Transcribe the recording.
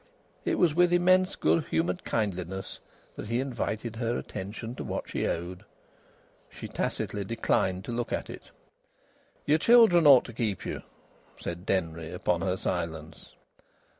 It was with immense good humoured kindliness that he invited her attention to what she owed. She tacitly declined to look at it. "Your children ought to keep you," said Denry, upon her silence.